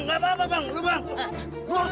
ini vessels yang diwayakan mungkin hal slam